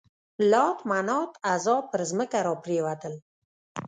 لات، منات، عزا پر ځمکه را پرېوتل.